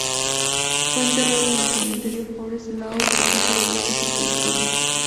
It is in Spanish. Fue enterrado en el Cementerio Forest Lawn de Cathedral City, California.